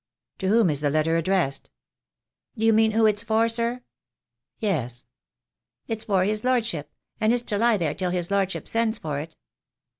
"To whom is the letter addressed?" "Do you mean who it's for, sir?" "Yes." "It's for his lordship — and it's to lie there till his lordship sends for it."